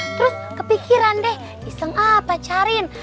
terus kepikiran deh iseng apa cariin